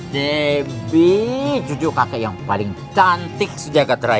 debbie cucu kakek yang paling cantik sejak katerai